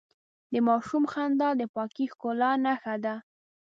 د ماشوم خندا د پاکې ښکلا نښه ده.